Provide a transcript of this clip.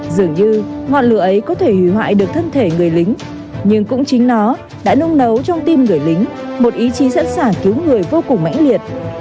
dường như ngọn lửa ấy có thể hủy hoại được thân thể người lính nhưng cũng chính nó đã nung nấu trong tim người lính một ý chí sẵn sàng cứu người vô cùng mãnh liệt